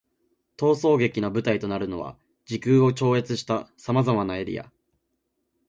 逃走劇の舞台となるのは、時空を超越した様々なエリア。